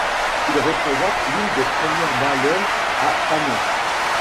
Il représente l'une des premières baleines à fanons.